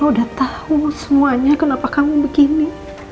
mama udah tau semuanya kenapa kamu begini